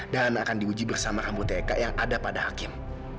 dan akan diuji bersama rambut tk yang ada pada hakim